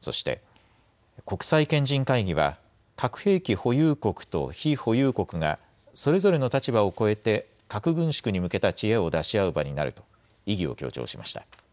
そして、国際賢人会議は核兵器保有国と非保有国がそれぞれの立場を超えて核軍縮に向けた知恵を出し合う場になると意義を強調しました。